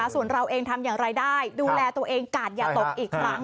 ส่วนเราเองทำอย่างไรได้ดูแลตัวเองกาดอย่าตกอีกครั้ง